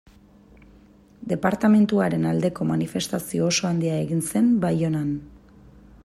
Departamenduaren aldeko manifestazio oso handia egin zen Baionan.